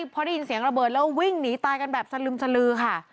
พอได้ยินเสียงระเบิดแล้ววิ่งหนีตายกันแบบสลึมสลือค่ะ